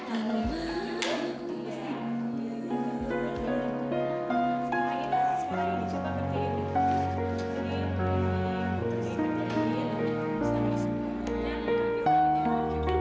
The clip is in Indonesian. terima kasih pak